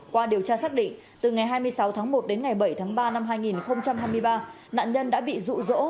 qua điều tra xác định từ ngày hai mươi sáu tháng một đến ngày bảy tháng ba năm hai nghìn hai mươi ba nạn nhân đã bị rụ rỗ